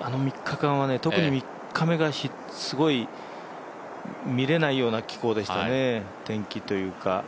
あの３日間は、特に３日は見られないような気候でしたね、天気というか。